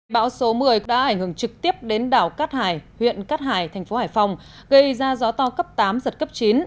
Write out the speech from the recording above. bão số một mươi đã ảnh hưởng trực tiếp đến đảo cát hải huyện cát hải thành phố hải phòng gây ra gió to cấp tám giật cấp chín